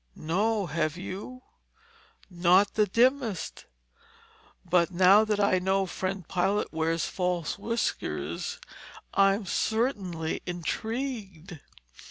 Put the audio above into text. "No—have you?" "Not the dimmest. But now that I know friend pilot wears false whiskers, I'm certainly intrigued."